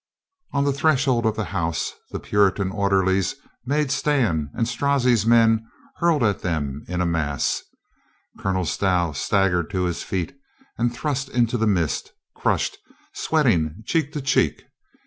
On the threshold of the house the Puritan order lies made stand and Strozzi's men hurled at them in a mass. Colonel Stow staggered to his feet and thrust into the midst, crushed, sweating, cheek to cheek.